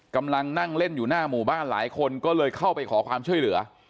กำลังนั่งเล่นอยู่หน้าหมู่บ้านหลายคนก็เลยเข้าไปขอความช่วยเหลือ